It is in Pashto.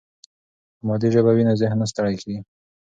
که مادي ژبه وي نو ذهن نه ستړی کېږي.